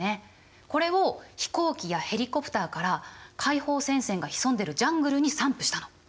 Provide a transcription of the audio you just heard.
これを飛行機やヘリコプターから解放戦線が潜んでるジャングルに散布したの。